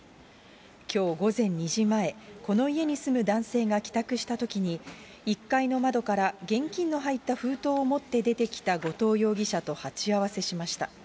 きょう午前２時前、この家に住む男性が帰宅したときに、１階の窓から現金の入った封筒を持って出てきた後藤容疑者と鉢合わせしました。